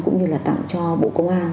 cũng như là tặng cho bộ công an